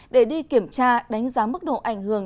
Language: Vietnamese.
để đi kiểm tra đánh giá mức độ ảnh hưởng